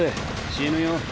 死ぬよ。